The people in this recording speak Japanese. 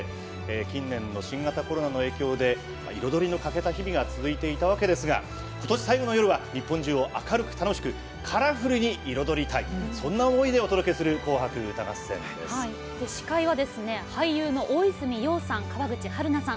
近年、新型コロナの影響で彩りの欠けた日々が続いていたわけですが今年最後の夜は日本中を明るく楽しくカラフルに彩りたいそんな思いでお届けする司会は俳優の大泉洋さん川口春奈さん。